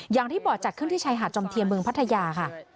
อย่างที่บอกจัดขึ้นที่ชายหาดจอมเทียมเมืองพัทยาค่ะ